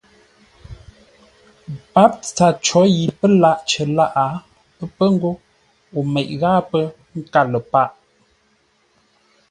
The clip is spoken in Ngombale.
Pǎp tsâr có yi pə́ lâʼ cər lâʼ pə́ ngô o meʼ ghâa pə́ nkâr ləpâʼ.